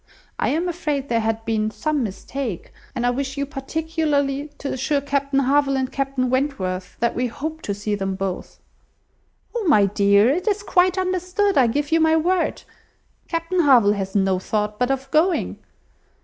I am afraid there had been some mistake; and I wish you particularly to assure Captain Harville and Captain Wentworth, that we hope to see them both." "Oh! my dear, it is quite understood, I give you my word. Captain Harville has no thought but of going."